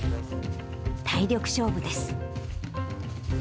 体力勝負です。